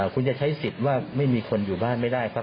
คุณจะใช้สิทธิ์ว่าไม่มีคนอยู่บ้านไม่ได้ครับ